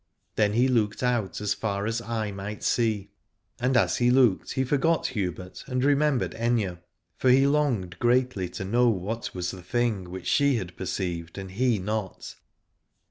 Then he looked out as far as eye might see, and as he looked he forgot Hubert and remembered Aithne, for he longed greatly to know what was the thing which she had perceived and he not.